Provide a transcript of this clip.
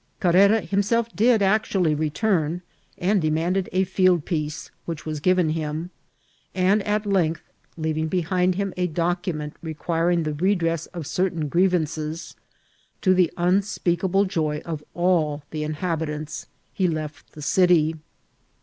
Carrera himself did actually return, and de manded a fieldpiece, which was given him; and at length, leaving behind him a document requiring the redress of certain grievances, to the unspeakable joy of all the inhabitants he left the city.